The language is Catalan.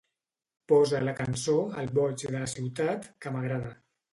Posa la cançó "El boig de la ciutat" que m'agrada